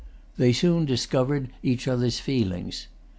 They soon discovered[Pg 288] each other's feelings.